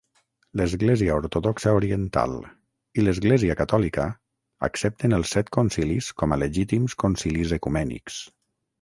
L'Església Ortodoxa Oriental i l'Església Catòlica accepten els set concilis com a legítims concilis ecumènics.